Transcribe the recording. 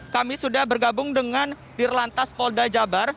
kami sudah bergabung dengan dir lantas polda jabar